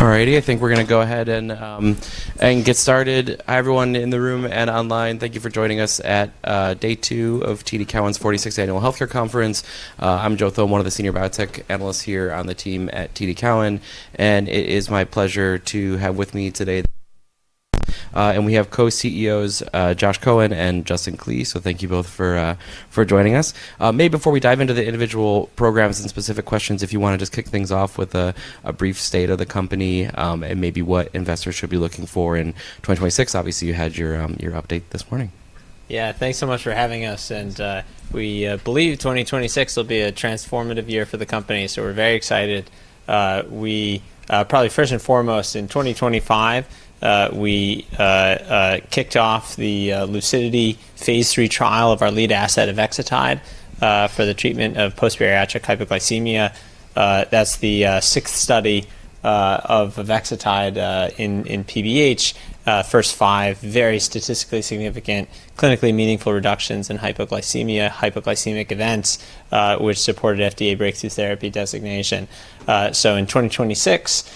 All righty. I think we're gonna go ahead and get started. Hi, everyone in the room and online. Thank you for joining us at day two of TD Cowen's 46th Annual Healthcare Conference. I'm Joe Thome, one of the senior biotech analysts here on the team at TD Cowen, and it is my pleasure to have with me today, we have co-CEOs, Josh Cohen and Justin Klee. Thank you both for joining us. Maybe before we dive into the individual programs and specific questions, if you wanna just kick things off with a brief state of the company, and maybe what investors should be looking for in 2026. Obviously, you had your update this morning. Thanks so much for having us. We believe 2026 will be a transformative year for the company. We're very excited. Probably first and foremost, in 2025, we kicked off the LUCIDITY phase III trial of our lead asset of avexitide for the treatment of post-bariatric hypoglycemia. That's the sixth study of avexitide in PBH. First five, very statistically significant, clinically meaningful reductions in hypoglycemia, hypoglycemic events, which supported FDA Breakthrough Therapy designation. In 2026,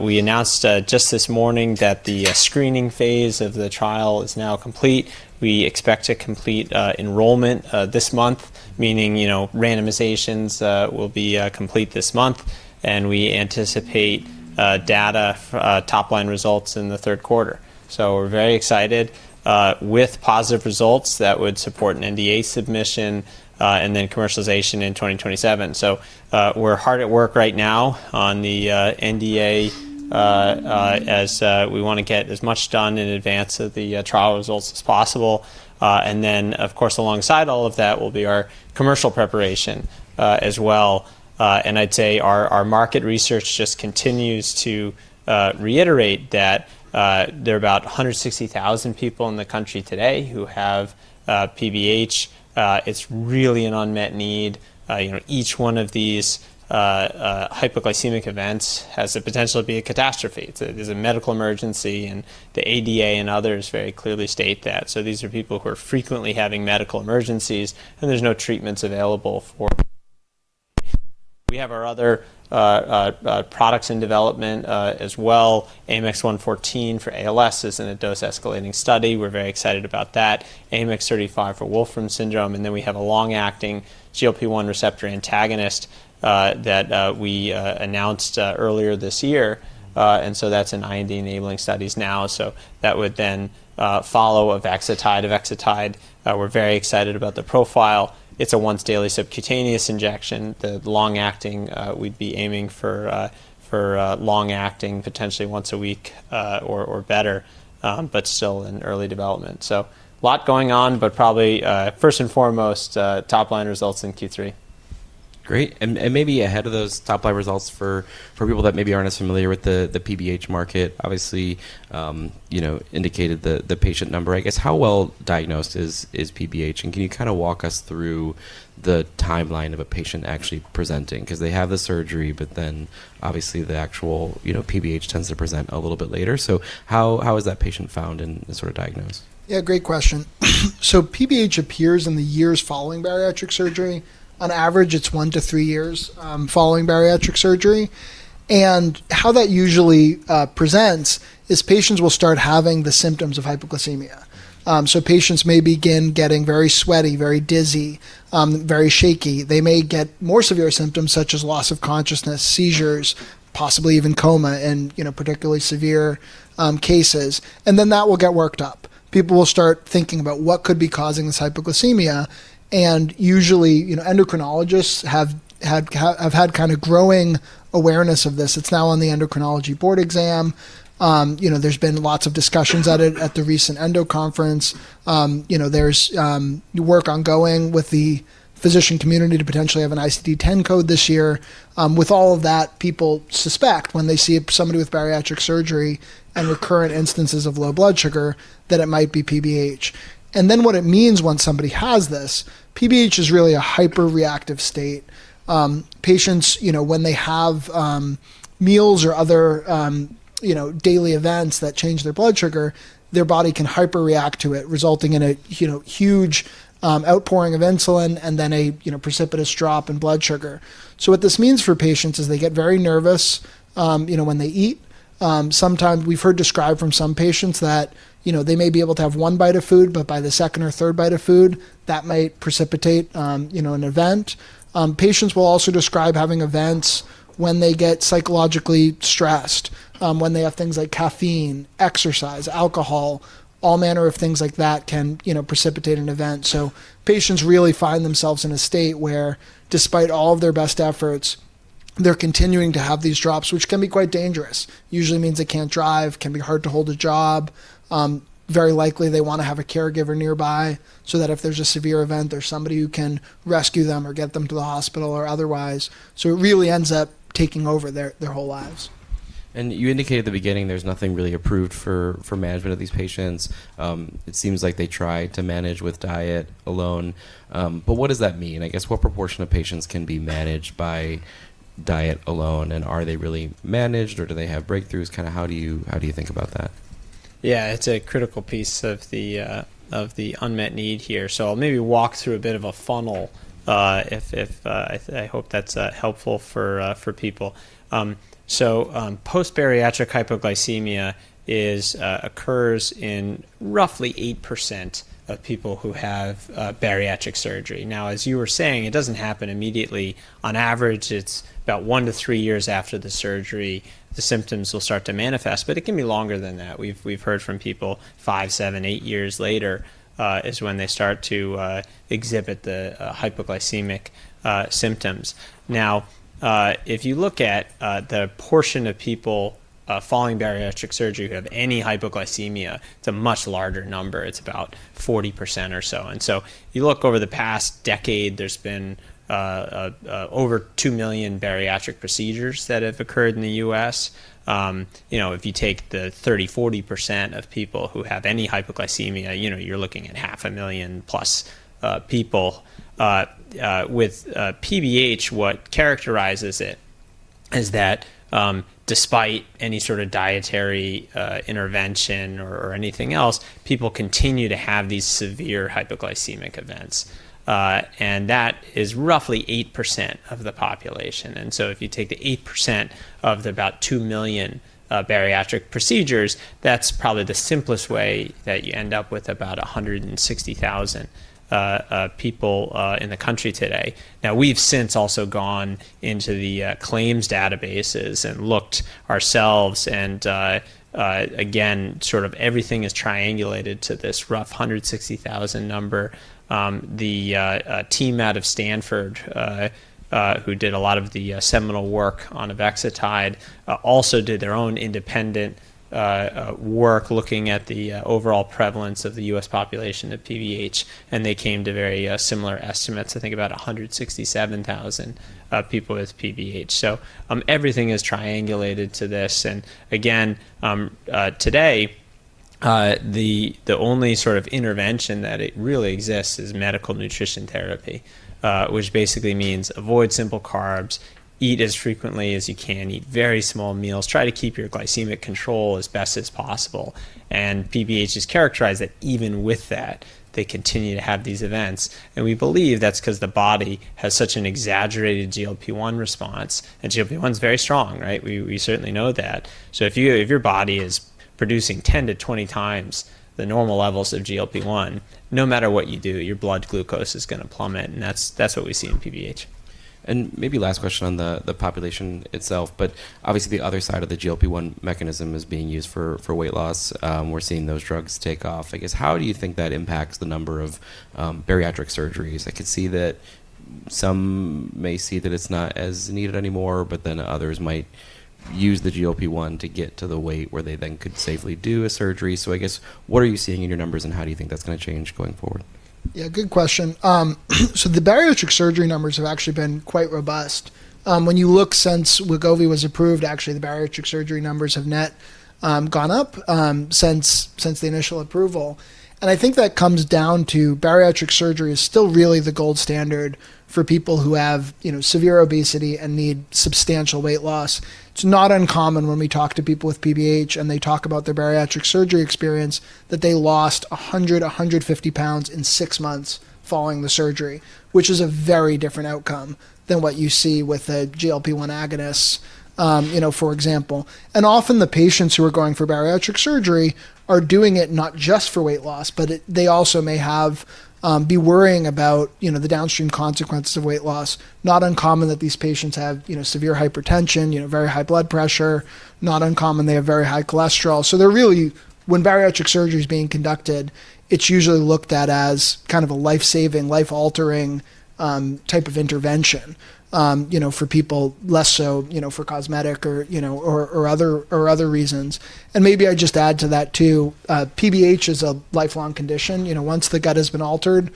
we announced just this morning that the screening phase of the trial is now complete. We expect to complete enrollment this month, meaning, you know, randomizations will be complete this month. We anticipate data for top-line results in the third quarter. We're very excited with positive results that would support an NDA submission, and then commercialization in 2027. We're hard at work right now on the NDA as we wanna get as much done in advance of the trial results as possible. Then, of course, alongside all of that will be our commercial preparation as well. I'd say our market research just continues to reiterate that there are about 160,000 people in the country today who have PBH. It's really an unmet need. You know, each one of these hypoglycemic events has the potential to be a catastrophe. It's a medical emergency, and the ADA and others very clearly state that. These are people who are frequently having medical emergencies, and there's no treatments available for them. We have our other products in development as well. AMX0114 for ALS is in a dose-escalating study. We're very excited about that. AMX0035 for Wolfram syndrome. We have a long-acting GLP-1 receptor antagonist that we announced earlier this year. That's in IND-enabling studies now. That would then follow avexitide. Avexitide, we're very excited about the profile. It's a once daily subcutaneous injection. The long-acting, we'd be aiming for long-acting, potentially once a week or better, but still in early development. Lot going on, but probably first and foremost, top-line results in Q3. Great. Maybe ahead of those top-line results for people that maybe aren't as familiar with the PBH market, obviously, you know, indicated the patient number. I guess how well diagnosed is PBH? Can you kinda walk us through the timeline of a patient actually presenting? Cause they have the surgery, obviously the actual, you know, PBH tends to present a little bit later. How is that patient found and sort of diagnosed? Yeah, great question. PBH appears in the years following bariatric surgery. On average, it's one to three years following bariatric surgery. How that usually presents is patients will start having the symptoms of hypoglycemia. Patients may begin getting very sweaty, very dizzy, very shaky. They may get more severe symptoms such as loss of consciousness, seizures, possibly even coma in, you know, particularly severe cases. Then that will get worked up. People will start thinking about what could be causing this hypoglycemia, and usually, you know, endocrinologists have had growing awareness of this. It's now on the Endocrinology Board Exam. You know, there's been lots of discussions at the recent ENDO conference. You know, there's work ongoing with the physician community to potentially have an ICD-10 code this year. With all of that, people suspect when they see somebody with bariatric surgery and recurrent instances of low blood sugar that it might be PBH. What it means when somebody has this, PBH is really a hyperreactive state. Patients, you know, when they have meals or other, you know, daily events that change their blood sugar, their body can hyperreact to it, resulting in a, you know, huge outpouring of insulin and then a, you know, precipitous drop in blood sugar. What this means for patients is they get very nervous, you know, when they eat. Sometimes we've heard described from some patients that, you know, they may be able to have one bite of food, but by the second or third bite of food, that might precipitate, you know, an event. Patients will also describe having events when they get psychologically stressed, when they have things like caffeine, exercise, alcohol, all manner of things like that can, you know, precipitate an event. Patients really find themselves in a state where despite all of their best efforts, they're continuing to have these drops, which can be quite dangerous. Usually means they can't drive, can be hard to hold a job. Very likely they wanna have a caregiver nearby so that if there's a severe event, there's somebody who can rescue them or get them to the hospital or otherwise. It really ends up taking over their whole lives. You indicated at the beginning there's nothing really approved for management of these patients. It seems like they try to manage with diet alone. What does that mean? I guess, what proportion of patients can be managed by diet alone? Are they really managed, or do they have breakthroughs? Kinda how do you think about that? Yeah, it's a critical piece of the unmet need here. I'll maybe walk through a bit of a funnel, if I hope that's helpful for people. Post-bariatric hypoglycemia occurs in roughly 8% of people who have bariatric surgery. Now, as you were saying, it doesn't happen immediately. On average, it's about one to three years after the surgery the symptoms will start to manifest, but it can be longer than that. We've heard from people five, seven, eight years later is when they start to exhibit the hypoglycemic symptoms. Now, if you look at the portion of people following bariatric surgery who have any hypoglycemia, it's a much larger number. It's about 40% or so. You look over the past decade, there's been over 2 million bariatric procedures that have occurred in the U.S. You know, if you take the 30%-40% of people who have any hypoglycemia, you know, you're looking at 500,000+ people. With PBH, what characterizes it is that despite any sort of dietary intervention or anything else, people continue to have these severe hypoglycemic events, and that is roughly 8% of the population. If you take the 8% of the about 2 million bariatric procedures, that's probably the simplest way that you end up with about 160,000 people in the country today. We've since also gone into the claims databases and looked ourselves and again, sort of everything is triangulated to this rough 160,000 number. The team out of Stanford who did a lot of the seminal work on avexitide also did their own independent work looking at the overall prevalence of the U.S. population of PBH, and they came to very similar estimates, I think about 167,000 people with PBH. Everything is triangulated to this. Again, today, the only sort of intervention that it really exists is medical nutrition therapy, which basically means avoid simple carbs, eat as frequently as you can, eat very small meals, try to keep your glycemic control as best as possible, and PBH has characterized that even with that, they continue to have these events. We believe that's 'cause the body has such an exaggerated GLP-1 response, and GLP-1's very strong, right? We certainly know that. If your body is producing 10 to 20 times the normal levels of GLP-1, no matter what you do, your blood glucose is gonna plummet, and that's what we see in PBH. Maybe last question on the population itself, but obviously the other side of the GLP-1 mechanism is being used for weight loss. We're seeing those drugs take off. I guess, how do you think that impacts the number of bariatric surgeries? I could see that some may see that it's not as needed anymore, but then others might use the GLP-1 to get to the weight where they then could safely do a surgery. I guess what are you seeing in your numbers, and how do you think that's gonna change going forward? Good question. The bariatric surgery numbers have actually been quite robust. When you look since Wegovy was approved, actually, the bariatric surgery numbers have net gone up since the initial approval. I think that comes down to bariatric surgery is still really the gold standard for people who have, you know, severe obesity and need substantial weight loss. It's not uncommon when we talk to people with PBH and they talk about their bariatric surgery experience, that they lost 100, 150 pounds in six months following the surgery, which is a very different outcome than what you see with the GLP-1 agonists, you know, for example. Often the patients who are going for bariatric surgery are doing it not just for weight loss, but they also may have, you know, be worrying about, you know, the downstream consequences of weight loss. Not uncommon that these patients have, you know, severe hypertension, you know, very high blood pressure. Not uncommon, they have very high cholesterol. They're really when bariatric surgery is being conducted, it's usually looked at as kind of a life-saving, life-altering type of intervention, you know, for people less so, you know, for cosmetic or other reasons. Maybe I'd just add to that, too, PBH is a lifelong condition. You know, once the gut has been altered,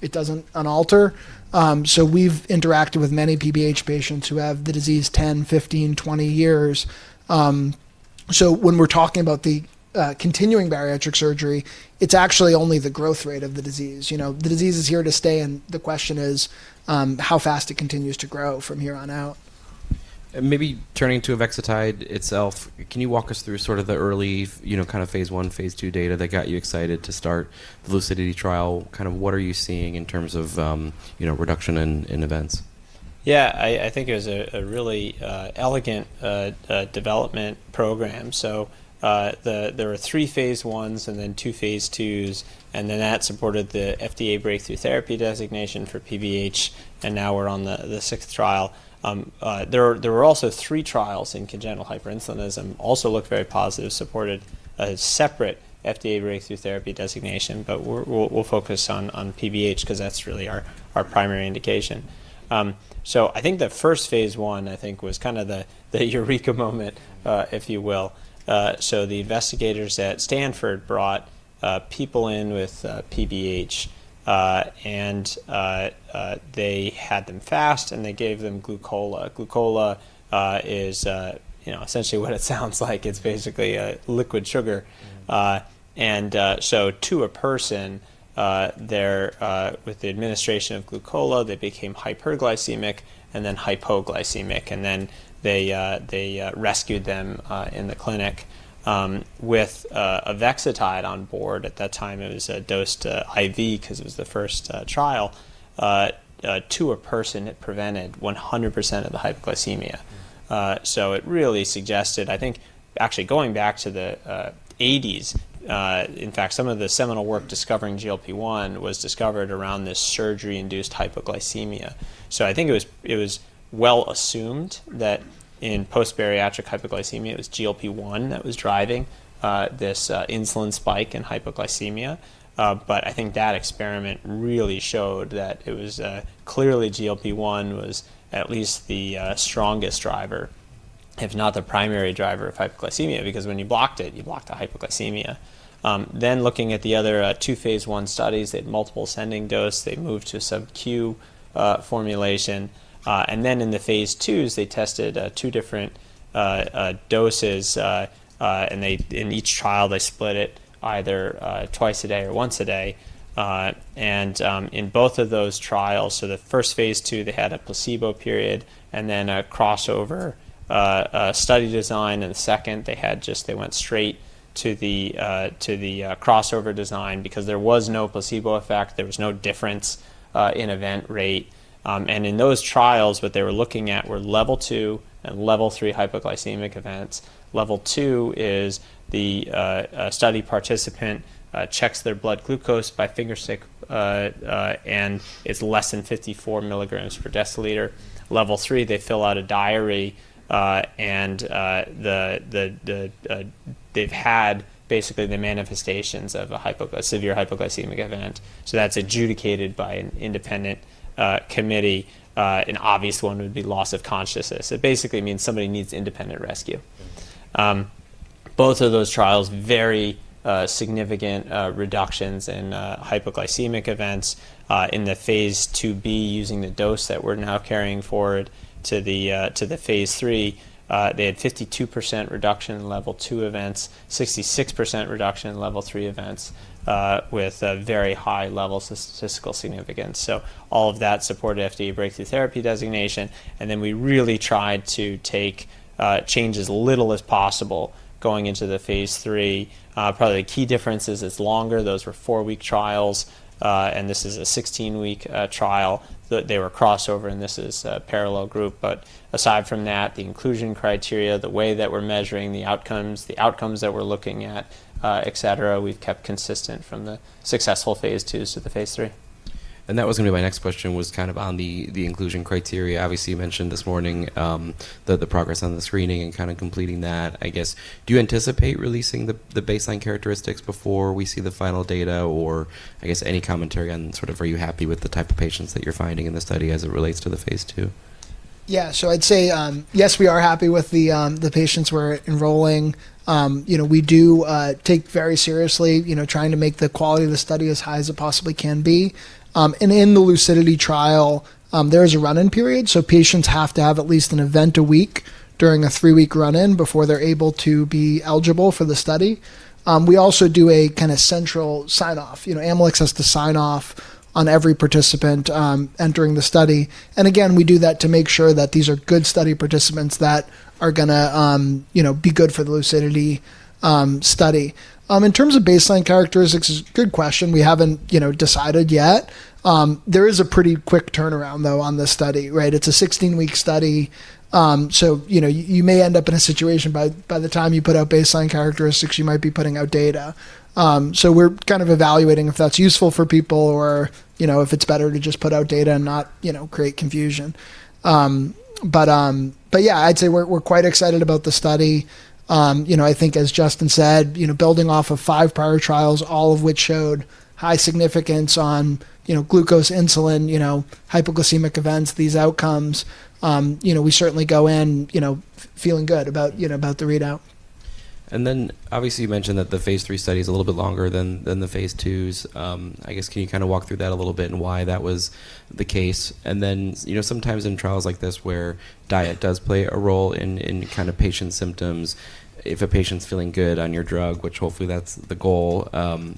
it doesn't unalter. We've interacted with many PBH patients who have the disease 10, 15, 20 years. When we're talking about the continuing bariatric surgery, it's actually only the growth rate of the disease. You know, the disease is here to stay, and the question is, how fast it continues to grow from here on out. Maybe turning to avexitide itself, can you walk us through sort of the early you know, kinda phase I, phase II data that got you excited to start the LUCIDITY trial? Kind of what are you seeing in terms of, you know, reduction in events? Yeah. I think it was a really elegant development program. There were three phase I's and then two phase II's, and then that supported the FDA Breakthrough Therapy designation for PBH, and now we're on the sixth trial. There were also three trials in congenital hyperinsulinism, also looked very positive, supported a separate FDA Breakthrough Therapy designation. We'll focus on PBH 'cause that's really our primary indication. I think the first phase one, I think, was kinda the eureka moment, if you will. The investigators at Stanford brought people in with PBH, and they had them fast, and they gave them Glucola. Glucola is, you know, essentially what it sounds like. It's basically a liquid sugar. To a person, they're with the administration of Glucola, they became hyperglycemic and then hypoglycemic, and then they rescued them in the clinic with avexitide on board. At that time, it was dosed IV because it was the first trial. To a person, it prevented 100% of the hypoglycemia. So it really suggested, I think, actually going back to the '80s, in fact, some of the seminal work discovering GLP-1 was discovered around this surgery-induced hypoglycemia. So I think it was well assumed that in post-bariatric hypoglycemia, it was GLP-1 that was driving this insulin spike in hypoglycemia. I think that experiment really showed that it was clearly GLP-1 was at least the strongest driver, if not the primary driver of hypoglycemia, because when you blocked it, you blocked the hypoglycemia. Looking at the other two phase I studies, they had multiple ascending dose, they moved to sub-Q formulation. In the phase II, they tested two different doses, and in each trial, they split it either two times a day or one time a day. In both of those trials, the first phase II, they had a placebo period and then a crossover study design. The second, they went straight to the crossover design because there was no placebo effect. There was no difference in event rate. In those trials, what they were looking at were level two and level three hypoglycemic events. Level two is a study participant checks their blood glucose by finger stick, and it's less than 54 milligrams per deciliter. Level 3, they fill out a diary, and they've had basically the manifestations of a severe hypoglycemic event. That's adjudicated by an independent committee. An obvious one would be loss of consciousness. It basically means somebody needs independent rescue. Both of those trials, very significant reductions in hypoglycemic events in the phase IIB using the dose that we're now carrying forward to the phase III. They had 52% reduction in level 2 events, 66% reduction in level 3 events, with a very high level statistical significance. All of that supported FDA Breakthrough Therapy designation, and then we really tried to take change as little as possible going into the phase III. Probably the key difference is it's longer. Those were 4-week trials, and this is a 16-week trial. They were crossover, and this is a parallel group. Aside from that, the inclusion criteria, the way that we're measuring the outcomes, the outcomes that we're looking at, et cetera, we've kept consistent from the successful phase IIs to the phase III. That was gonna be my next question, was kind of on the inclusion criteria. Obviously, you mentioned this morning, the progress on the screening and kinda completing that. I guess, do you anticipate releasing the baseline characteristics before we see the final data? Or I guess any commentary on sort of are you happy with the type of patients that you're finding in the study as it relates to the phase II? Yeah. I'd say, yes, we are happy with the patients we're enrolling. You know, we do take very seriously, you know, trying to make the quality of the study as high as it possibly can be. In the LUCIDITY trial, there is a run-in period, so patients have to have at least an event a week during a three-week run-in before they're able to be eligible for the study. We also do a kinda central sign-off. You know, Amylyx has to sign off on every participant entering the study. Again, we do that to make sure that these are good study participants that are gonna, you know, be good for the LUCIDITY study. In terms of baseline characteristics, it's a good question. We haven't, you know, decided yet. There is a pretty quick turnaround, though, on this study, right? It's a 16-week study. You know, you may end up in a situation by the time you put out baseline characteristics, you might be putting out data. We're kind of evaluating if that's useful for people or, you know, if it's better to just put out data and not, you know, create confusion. Yeah, I'd say we're quite excited about the study. You know, I think as Justin said, you know, building off of five prior trials, all of which showed high significance on, you know, glucose, insulin, you know, hypoglycemic events, these outcomes, you know, we certainly go in, you know, feeling good about, you know, about the readout. Obviously, you mentioned that the phase III study is a little bit longer than the phase IIs. I guess, can you kinda walk through that a little bit and why that was the case? You know, sometimes in trials like this where diet does play a role in kind of patient symptoms, if a patient's feeling good on your drug, which hopefully that's the goal,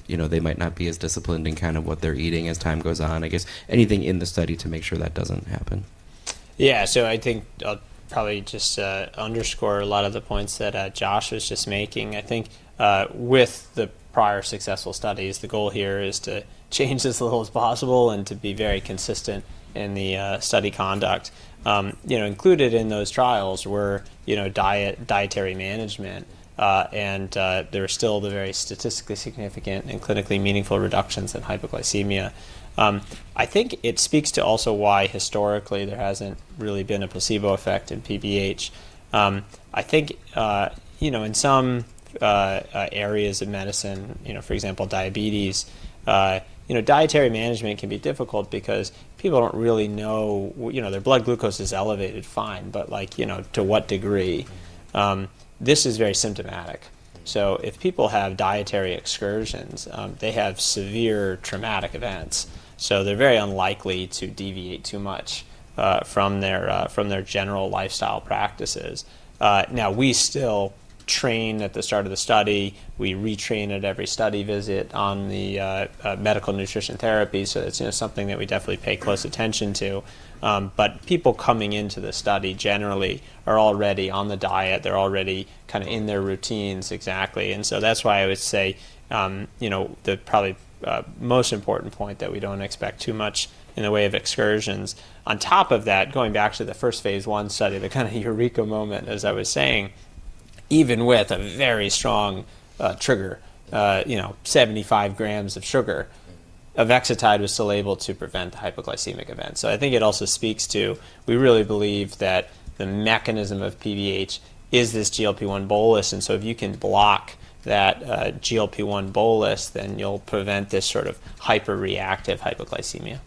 you know, they might not be as disciplined in kind of what they're eating as time goes on. I guess anything in the study to make sure that doesn't happen. I'll probably just underscore a lot of the points that Josh was just making. With the prior successful studies, the goal here is to change as little as possible and to be very consistent in the study conduct. You know, included in those trials were, you know, diet, dietary management, and there are still the very statistically significant and clinically meaningful reductions in hypoglycemia. It speaks to also why historically there hasn't really been a placebo effect in PBH. You know, in some areas of medicine, you know, for example, diabetes, you know, dietary management can be difficult because people don't really know, you know, their blood glucose is elevated fine, but like, you know, to what degree. This is very symptomatic. If people have dietary excursions, they have severe traumatic events, so they're very unlikely to deviate too much from their general lifestyle practices. Now we still train at the start of the study. We retrain at every study visit on the medical nutrition therapy. It's, you know, something that we definitely pay close attention to. But people coming into the study generally are already on the diet. They're already kinda in their routines, exactly. That's why I would say, you know, the probably most important point that we don't expect too much in the way of excursions. Going back to the first phase I study, the kind of eureka moment, as I was saying, even with a very strong trigger, you know, 75 grams of sugar, avexitide was still able to prevent hypoglycemic events. I think it also speaks to, we really believe that the mechanism of PBH is this GLP-1 bolus. If you can block that GLP-1 bolus, then you'll prevent this sort of hyperreactive hypoglycemia.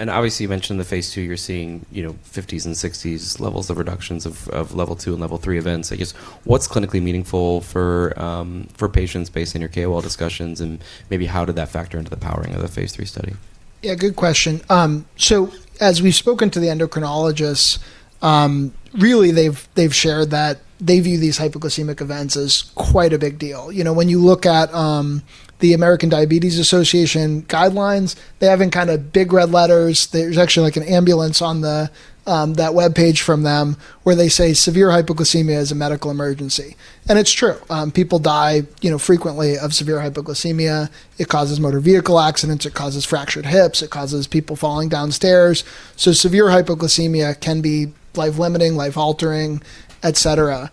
Obviously, you mentioned the phase II, you're seeing, you know, fifties and sixties levels of reductions of level 2 and level 3 events. I guess, what's clinically meaningful for patients based on your KOL discussions, and maybe how did that factor into the powering of the phase III study? Yeah, good question. As we've spoken to the endocrinologists, really they've shared that they view these hypoglycemic events as quite a big deal. You know, when you look at the American Diabetes Association guidelines, they have in kind of big red letters, there's actually, like, an ambulance on the that webpage from them, where they say severe hypoglycemia is a medical emergency. It's true. People die, you know, frequently of severe hypoglycemia. It causes motor vehicle accidents. It causes fractured hips. It causes people falling down stairs. Severe hypoglycemia can be life-limiting, life-altering, et cetera.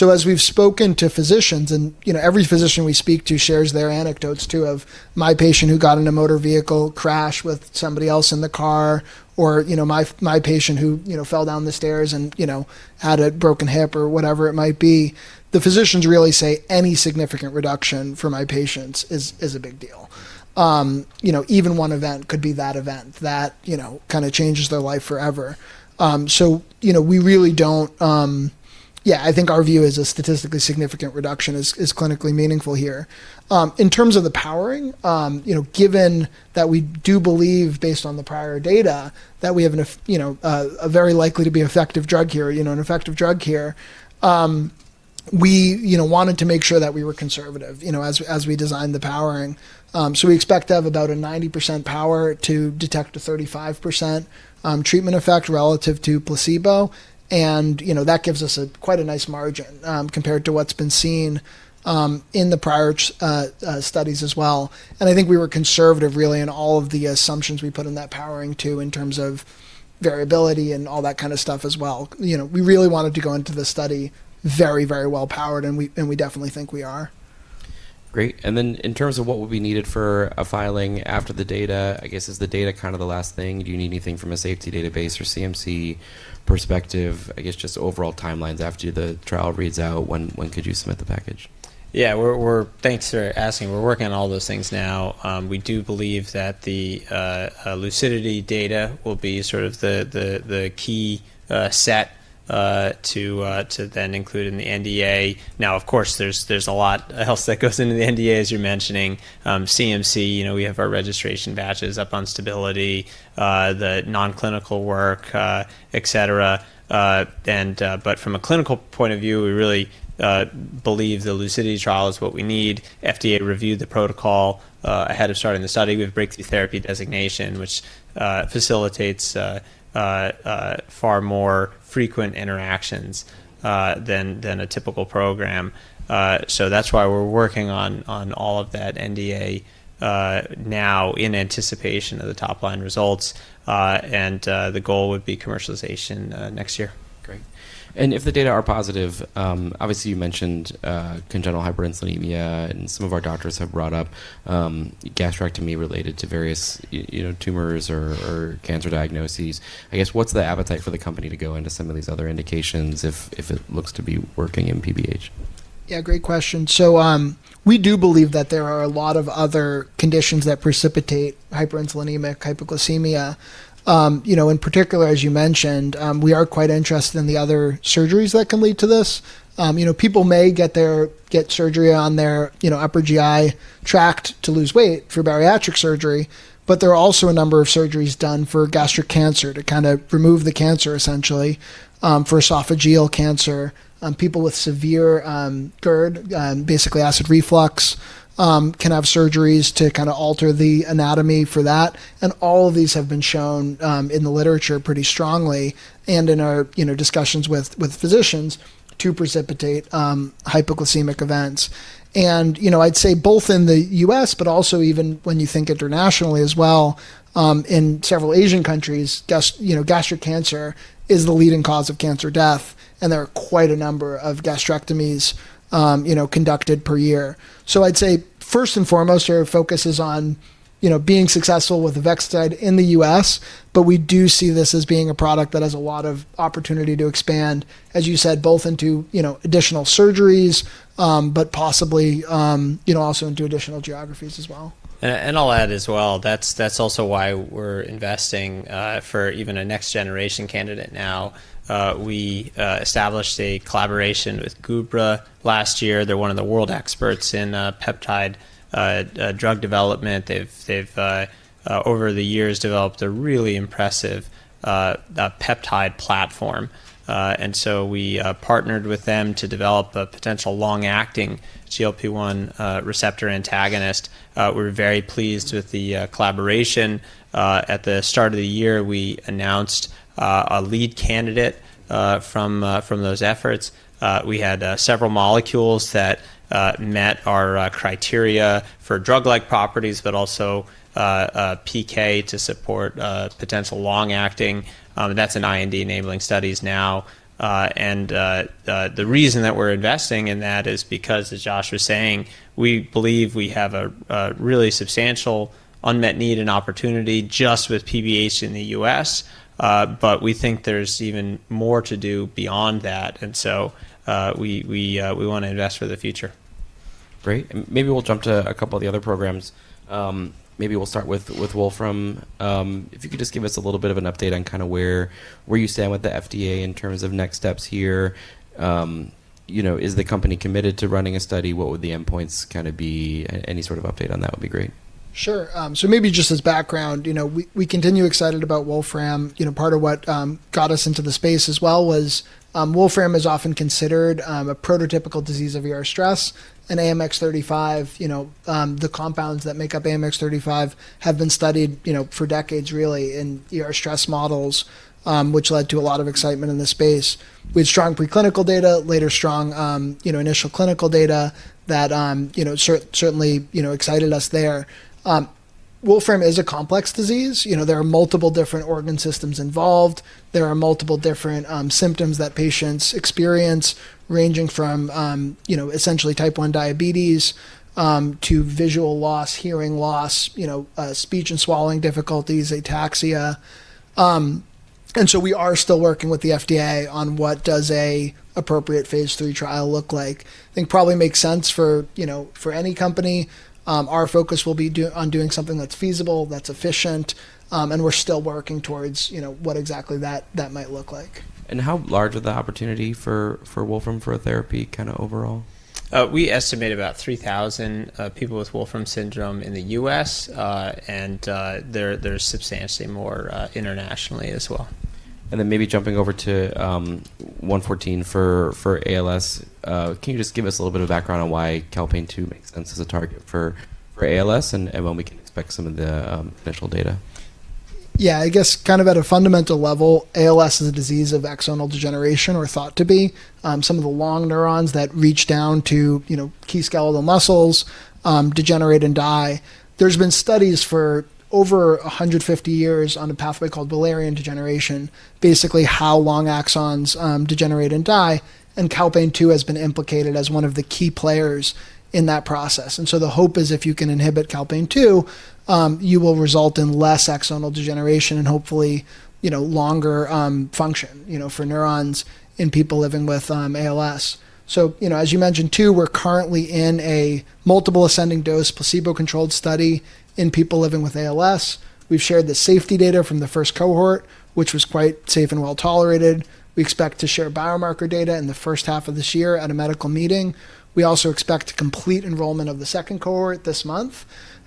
As we've spoken to physicians, and, you know, every physician we speak to shares their anecdotes too, of my patient who got in a motor vehicle crash with somebody else in the car, or, you know, my patient who, you know, fell down the stairs and, you know, had a broken hip or whatever it might be. The physicians really say any significant reduction for my patients is a big deal. You know, even one event could be that event that, you know, kind of changes their life forever. You know, we really don't. Yeah, I think our view is a statistically significant reduction is clinically meaningful here. In terms of the powering, you know, given that we do believe based on the prior data that we have a very likely to be effective drug here, we, you know, wanted to make sure that we were conservative, you know, as we designed the powering. So we expect to have about a 90% power to detect a 35% treatment effect relative to placebo. You know, that gives us a quite a nice margin, compared to what's been seen in the prior studies as well. I think we were conservative really in all of the assumptions we put in that powering too, in terms of variability and all that kind of stuff as well. You know, we really wanted to go into the study very, very well powered, and we definitely think we are. Great. In terms of what will be needed for a filing after the data, I guess, is the data kind of the last thing? Do you need anything from a safety database or CMC perspective? I guess, just overall timelines after the trial reads out, when could you submit the package? Yeah. We're Thanks for asking. We're working on all those things now. We do believe that the LUCIDITY data will be sort of the key set to then include in the NDA. Of course, there's a lot else that goes into the NDA, as you're mentioning. CMC, you know, we have our registration batches up on stability, the non-clinical work, et cetera. But from a clinical point of view, we really believe the LUCIDITY trial is what we need. FDA reviewed the protocol ahead of starting the study. We have Breakthrough Therapy designation, which facilitates far more frequent interactions than a typical program. That's why we're working on all of that NDA now in anticipation of the top line results. The goal would be commercialization next year. Great. If the data are positive, obviously, you mentioned congenital hyperinsulinemia, and some of our doctors have brought up gastrectomy related to various you know, tumors or cancer diagnoses. I guess, what's the appetite for the company to go into some of these other indications if it looks to be working in PBH? Great question. We do believe that there are a lot of other conditions that precipitate hyperinsulinemic hypoglycemia. You know, in particular, as you mentioned, we are quite interested in the other surgeries that can lead to this. You know, people may get surgery on their, you know, upper GI tract to lose weight through bariatric surgery, but there are also a number of surgeries done for gastric cancer to kinda remove the cancer essentially, for esophageal cancer. People with severe GERD, basically acid reflux, can have surgeries to kinda alter the anatomy for that. All of these have been shown in the literature pretty strongly and in our, you know, discussions with physicians to precipitate hypoglycemic events. you know, I'd say both in the U.S., but also even when you think internationally as well, in several Asian countries, you know, gastric cancer is the leading cause of cancer death, and there are quite a number of gastrectomies, you know, conducted per year. I'd say, first and foremost, our focus is on, you know, being successful with avexitide in the U.S., but we do see this as being a product that has a lot of opportunity to expand, as you said, both into, you know, additional surgeries, but possibly, you know, also into additional geographies as well. I'll add as well, that's also why we're investing for even a next generation candidate now. We established a collaboration with Gubra last year. They're one of the world experts in peptide drug development. They've over the years developed a really impressive peptide platform. So we partnered with them to develop a potential long-acting GLP-1 receptor antagonist. We're very pleased with the collaboration. At the start of the year, we announced a lead candidate from those efforts. We had several molecules that met our criteria for drug-like properties, but also PK to support potential long-acting, and that's in IND-enabling studies now. The reason that we're investing in that is because, as Josh was saying, we believe we have a really substantial unmet need and opportunity just with PBH in the U.S., but we think there's even more to do beyond that. We wanna invest for the future. Great. Maybe we'll jump to a couple of the other programs. Maybe we'll start with Wolfram. If you could just give us a little bit of an update on kinda where you stand with the FDA in terms of next steps here. You know, is the company committed to running a study? What would the endpoints kinda be? Any sort of update on that would be great. Sure. Maybe just as background, you know, we continue excited about Wolfram. You know, part of what got us into the space as well was, Wolfram is often considered a prototypical disease of ER stress. AMX0035, you know, the compounds that make up AMX0035 have been studied, you know, for decades really in ER stress models, which led to a lot of excitement in this space. We had strong preclinical data, later strong, you know, initial clinical data that, you know, certainly, you know, excited us there. Wolfram is a complex disease. You know, there are multiple different organ systems involved. There are multiple different symptoms that patients experience, ranging from, you know, essentially type one diabetes, to visual loss, hearing loss, you know, speech and swallowing difficulties, ataxia. We are still working with the FDA on what does a appropriate phase III trial look like. I think probably makes sense for, you know, for any company, our focus will be on doing something that's feasible, that's efficient, and we're still working towards, you know, what exactly that might look like. How large is the opportunity for Wolfram for a therapy kinda overall? We estimate about 3,000 people with Wolfram syndrome in the U.S., and there's substantially more internationally as well. Then maybe jumping over to 0114 for ALS, can you just give us a little bit of background on why calpain-2 makes sense as a target for ALS and when we can expect some of the initial data? Yeah. I guess kind of at a fundamental level, ALS is a disease of axonal degeneration or thought to be. Some of the long neurons that reach down to, you know, key skeletal muscles, degenerate and die. There's been studies for over 150 years on a pathway called Wallerian degeneration, basically how long axons degenerate and die, and calpain-2 has been implicated as one of the key players in that process. The hope is if you can inhibit calpain-2, you will result in less axonal degeneration and hopefully, you know, longer function, you know, for neurons in people living with ALS. You know, as you mentioned too, we're currently in a multiple ascending dose placebo-controlled study in people living with ALS. We've shared the safety data from the first cohort, which was quite safe and well-tolerated. We expect to share biomarker data in the first half of this year at a medical meeting. We also expect complete enrollment of the second cohort this month.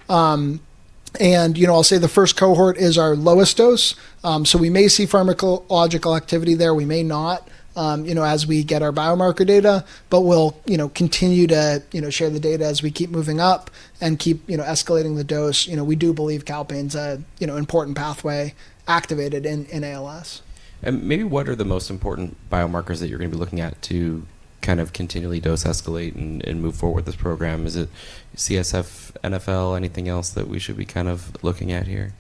You know, I'll say the first cohort is our lowest dose. We may see pharmacological activity there, we may not, you know, as we get our biomarker data, but we'll, you know, continue to, you know, share the data as we keep moving up and keep, you know, escalating the dose. You know, we do believe calpain's a, you know, important pathway activated in ALS. Maybe what are the most important biomarkers that you're gonna be looking at to kind of continually dose escalate and move forward with this program? Is it CSF, NFL, anything else that we should be kind of looking at here?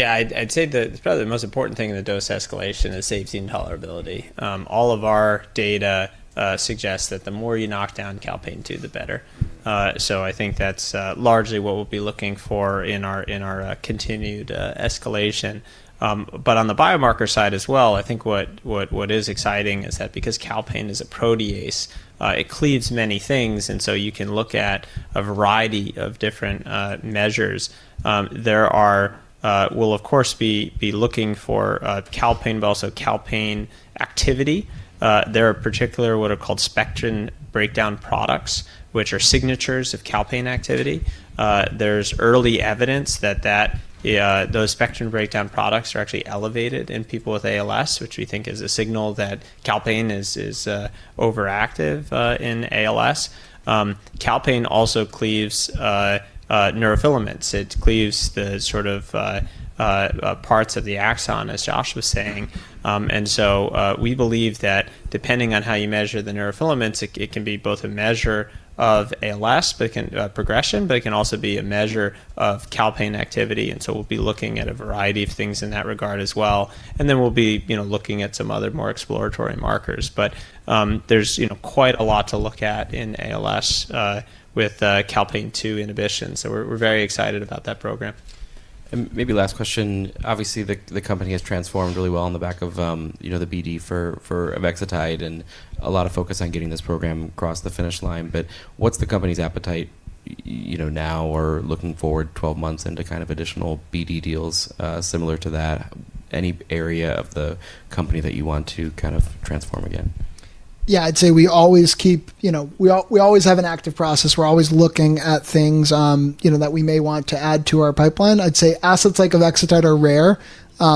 I'd say probably the most important thing in the dose escalation is safety and tolerability. All of our data suggests that the more you knock down calpain-2, the better. I think that's largely what we'll be looking for in our in our continued escalation. On the biomarker side as well, I think what is exciting is that because calpain is a protease, it cleaves many things, and so you can look at a variety of different measures. There are. We'll of course be looking for calpain, but also calpain activity. There are particular what are called spectrin breakdown products, which are signatures of calpain activity. There's early evidence that those spectrin breakdown products are actually elevated in people with ALS, which we think is a signal that calpain is overactive in ALS. Calpain also cleaves neurofilaments. It cleaves the sort of parts of the axon, as Josh was saying. We believe that depending on how you measure the neurofilaments, it can be both a measure of ALS, but it can progression, but it can also be a measure of calpain activity, and so we'll be looking at a variety of things in that regard as well. Then we'll be, you know, looking at some other more exploratory markers. There's, you know, quite a lot to look at in ALS with calpain-2 inhibition, so we're very excited about that program. Maybe last question, obviously the company has transformed really well on the back of, you know, the BD for avexitide and a lot of focus on getting this program across the finish line. What's the company's appetite, you know, now or looking forward 12 months into kind of additional BD deals, similar to that? Any area of the company that you want to kind of transform again? Yeah. I'd say we always keep. You know, we always have an active process. We're always looking at things, you know, that we may want to add to our pipeline. I'd say assets like avexitide are rare.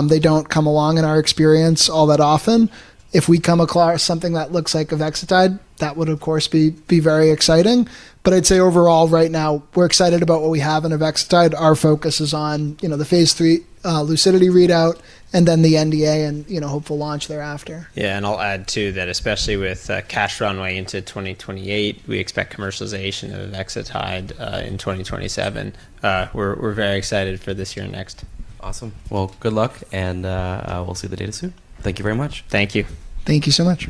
They don't come along in our experience all that often. If we come across something that looks like avexitide, that would of course be very exciting. I'd say overall right now we're excited about what we have in avexitide. Our focus is on, you know, the phase III, LUCIDITY readout, and then the NDA and, you know, hopeful launch thereafter. Yeah. I'll add to that, especially with cash runway into 2028, we expect commercialization of avexitide in 2027. We're very excited for this year and next. Awesome. Well, good luck and we'll see the data soon. Thank you very much. Thank you. Thank you so much.